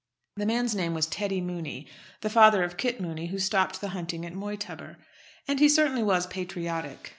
The man's name was Teddy Mooney, the father of Kit Mooney who stopped the hunting at Moytubber. And he certainly was patriotic.